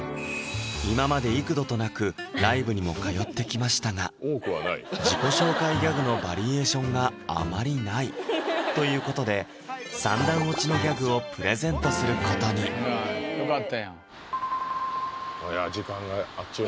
今まで幾度となくライブにも通ってきましたが自己紹介ギャグのバリエーションがあまりないということで３段落ちのギャグをプレゼントすることに時間があっちゅう